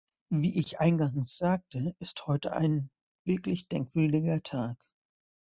Wie ich eingangs sagte, ist heute ein wirklich denkwürdiger Tag.